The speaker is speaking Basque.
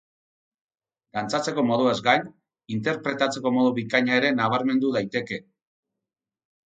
Dantzatzeko moduaz gain, interpretatzeko modu bikaina ere nabarmendu daiteke.